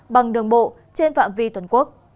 bằng đường bộ trên phạm vi tuần quốc